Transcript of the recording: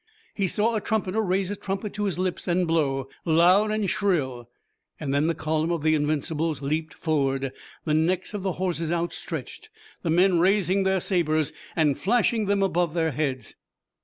He saw a trumpeter raise a trumpet to his lips and blow, loud and shrill. Then the column of the Invincibles leaped forward, the necks of the horses outstretched, the men raising their sabers and flashing them above their heads.